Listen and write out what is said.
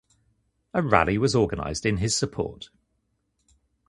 A rally was organised in his support.